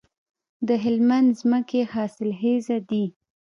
د هلمند ځمکې حاصلخیزه دي